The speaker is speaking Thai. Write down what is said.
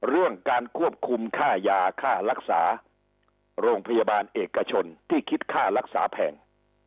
เรื่องการควบคุมค่ายาค่ารักษาโรงพยาบาลเอกชนที่คิดค่ารักษาแพง